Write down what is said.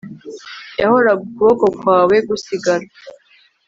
Yahoraga ukuboko kwawe gusigara